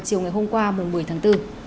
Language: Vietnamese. chiều ngày hôm qua mùa một mươi tháng bốn